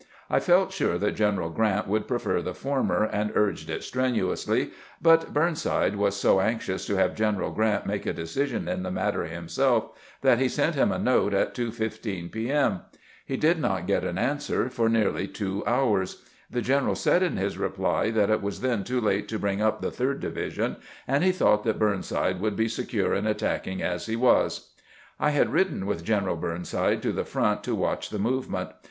I felt sure that G eneral G rant would prefer the former, and urged it strenuously ; but Burnside was so anxious to have G eneral Grant make a decision in the matter himself that he sent him a note at 2:15 p. M. He did not get an answer for nearly two hours. The general GKANT ATTACKS THE ENEMY'S CENTER 95 said in his reply that it was then too late to bring up the third division, and he thought that Burnside would be secure in attacking as he was. I had ridden with General Burnside to the front to watch the movement.